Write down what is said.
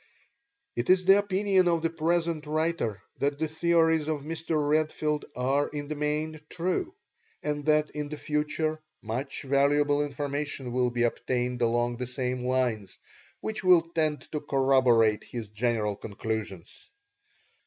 It is the opinion of the present writer that the theories of Mr. Redfield are in the main true, and that in the future much valuable information will be obtained along the same lines, which will tend to corroborate his general conclusions.